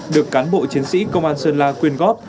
được cán bộ chiến sĩ công an sơn la quyên góp